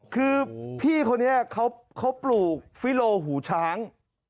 คือพี่คนนี้เขาปลูกฟิโลหูช้าง